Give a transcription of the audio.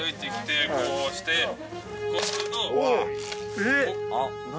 えっ！？